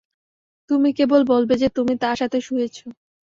তুমি কেবল বলবে যে, তুমি তার সাথে শুয়েছ।